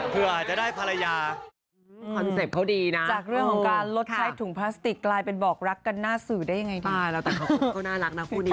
เผื่ออาจจะได้ภรรยา